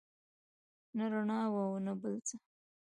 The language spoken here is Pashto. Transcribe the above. نه رڼا وه او نه بل څه.